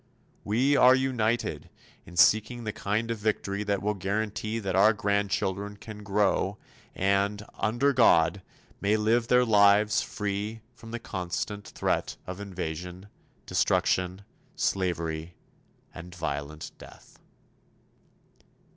We are united in seeking the kind of victory that will guarantee that our grandchildren can grow and, under God, may live their lives, free from the constant threat of invasion, destruction, slavery and violent death.